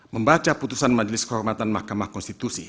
membaca putusan majelis kehormatan mahkamah konstitusi